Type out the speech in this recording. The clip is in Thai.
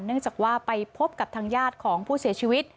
เนื่องจากว่าไปพบกับทางญาติของผู้เสียชีวิต